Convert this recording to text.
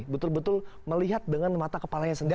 betul betul melihat dengan mata kepalanya sendiri